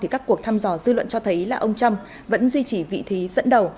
các cuộc thăm dò dư luận cho thấy là ông trump vẫn duy trì vị thế dẫn đầu